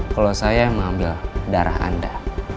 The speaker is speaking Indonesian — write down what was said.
kalau saya yang mengambil darah anda